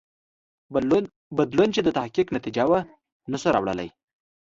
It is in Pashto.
بدلون چې د تحقیق نتیجه وه نه شو راوړلای.